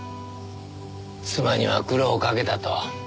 妻には苦労をかけたと。